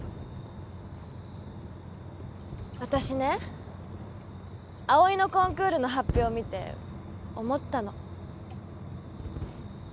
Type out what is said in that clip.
私ね葵のコンクールの発表見て思ったの